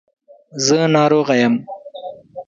زه ناروغه یم .